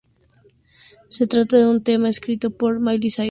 Se trata de un tema escrito por Miley Cyrus y producido por Oren Yoel.